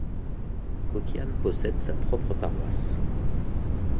Coquiane possède sa propre paroisse.